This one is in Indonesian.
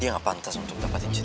dia gak pantas untuk dapet cinta gue